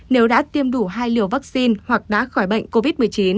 chưa đủ hai liều vaccine hoặc đã khỏi bệnh covid một mươi chín